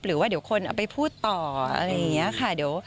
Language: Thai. หรือว่าเดี๋ยวคนเอาไปพูดต่ออะไรอย่างนี้ค่ะ